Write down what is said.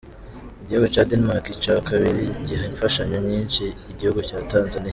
Igihugu ca Danemark ni ica kabiri giha imfashanyo nyinshi igihugu ca Tanzaniya.